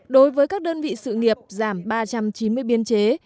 đối với các đơn vị sự nghiệp giảm ba trăm chín mươi biên chế